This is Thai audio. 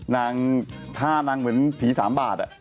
นางถ้านางเหมือนผี๓บาท